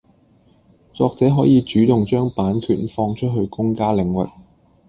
作者可以主動將版權放出去公家領域